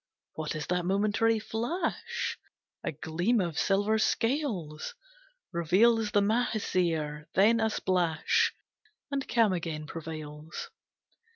What is that momentary flash? A gleam of silver scales Reveals the Mahseer; then a splash, And calm again prevails.